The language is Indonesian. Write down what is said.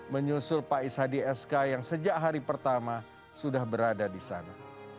menyusul pak is hadi sk yang sejak hari pertama sudah berada di sana